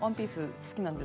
好きなんですけど。